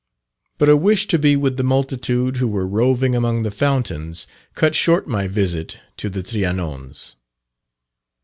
But a wish to be with the multitude, who were roving among the fountains, cut short my visit to the trianons.